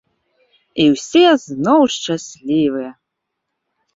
І ўсе зноў шчаслівыя.